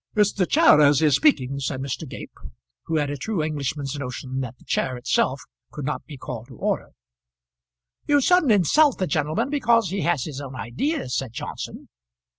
"It's the chair as is speaking," said Mr. Gape, who had a true Englishman's notion that the chair itself could not be called to order. "You shouldn't insult the gentleman because he has his own ideas," said Johnson.